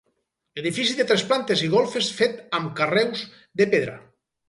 Edifici de tres plantes i golfes fet amb carreus de pedra.